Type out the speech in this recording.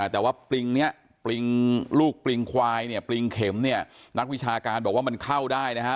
แต่ว่าปริงเนี่ยปริงลูกปริงควายเนี่ยปริงเข็มเนี่ยนักวิชาการบอกว่ามันเข้าได้นะฮะ